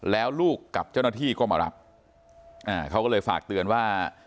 แล้วลูกกับเจ้าหน้าที่ก็มารับอ่าเขาก็เลยฝากเตือนว่า